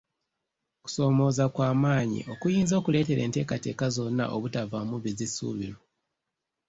Kusomooza kwa maanyi okuyinza okuleetera enteekateeka zonna obutavaamu bizisuubirwa.